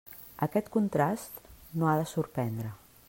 Aquest contrast no ha de sorprendre.